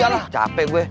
ujalah capek gue